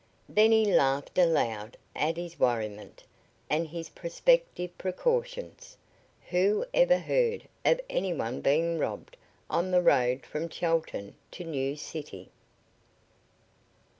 Then he laughed aloud at his worriment and his prospective precautions. Who ever heard of any one being robbed on the road from Chelton to New City?